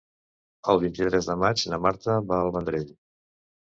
El vint-i-tres de maig na Marta va al Vendrell.